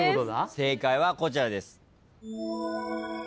正解はこちらです。